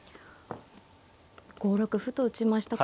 ５六歩と打ちました。